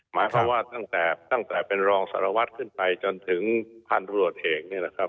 หมายความว่าตั้งแต่เป็นรองสารวัฒน์ขึ้นไปจนถึงพลันรวชเอง